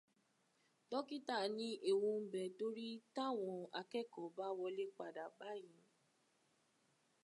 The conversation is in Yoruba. Dókítà ní ewu ń bẹ tórí táwọn akẹ́kọ̀ọ́ ba wọlé padà báyìí